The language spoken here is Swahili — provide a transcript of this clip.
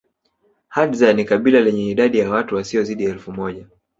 Hadza ni kabila lenye idadi ya watu wasiozidi elfu moja